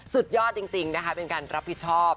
สุดยอดจริงนะคะเป็นการรับผิดชอบ